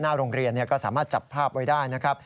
โรงเรียนก็สามารถจับภาพไว้ได้นะครับ